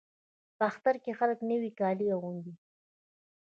په اختر کې خلک نوي کالي اغوندي.